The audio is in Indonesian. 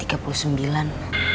tiga puluh sembilan